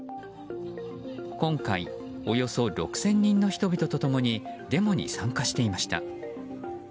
今回、およそ６０００人の人々と共にデモに参加していました。